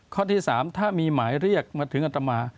ข้อที่๓ถ้ามีหมายเรียกมาถึงอัตมา